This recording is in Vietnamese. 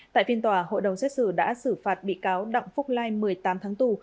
tại phiên tòa hội đồng xét xử đã xử phạt bị cáo đặng phúc lai một mươi tám tháng tù